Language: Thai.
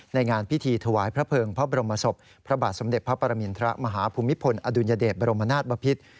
งานพิธีถวายพระเภิงพระบรมศพพระบาทสมเด็จพระปรมินทรมาฮภูมิพลอดุลยเดชบรมนาศบพิษ